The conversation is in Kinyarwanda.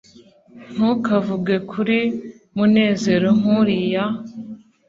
ntukavuge kuri munezero nkuriya